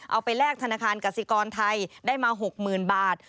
แลกธนาคารกสิกรไทยได้มา๖๐๐๐บาท